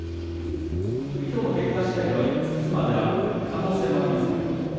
きょうの結果しだいでは５つまで空く可能性があります。